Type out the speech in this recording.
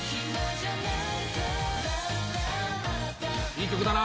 「いい曲だな」